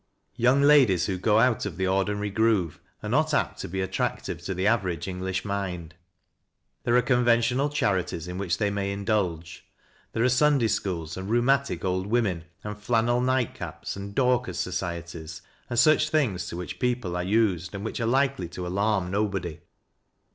Young ladies who go out of the ordinary groove an TEE MEMBER OF PARLIAMENT. Ig J not apt to be attractive to the average English mind There are conventional charities in vfhich they may indulge, — there are Sunday schools, and rheumatic old women, and flannel night caps, and Dorcas societies, and fliich things to which people are used and which are likely to alarm nobody.